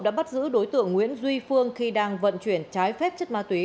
đã bắt giữ đối tượng nguyễn duy phương khi đang vận chuyển trái phép chất ma túy